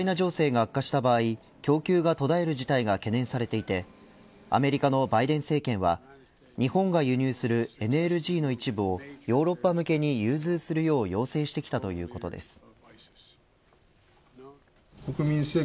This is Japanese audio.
ウクライナ情勢が悪化した場合供給が途絶える事態が懸念されていてアメリカのバイデン政権は日本が輸入するＬＮＧの一部をヨーロッパ向けに融通するよう要請してきたということです。